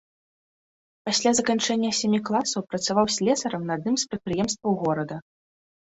Пасля заканчэння сямі класаў працаваў слесарам на адным з прадпрыемстваў горада.